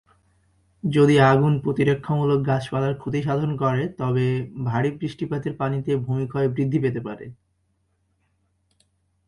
যদি আগুন প্রতিরক্ষামূলক গাছপালার ক্ষতিসাধন করে, তবে ভারী বৃষ্টিপাতের পানিতে ভূমিক্ষয় বৃদ্ধি পেতে পারে।